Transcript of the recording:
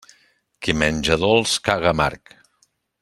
Qui menja dolç, caga amarg.